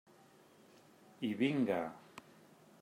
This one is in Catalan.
I vinga.